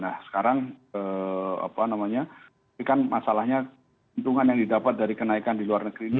nah sekarang apa namanya tapi kan masalahnya keuntungan yang didapat dari kenaikan di luar negeri ini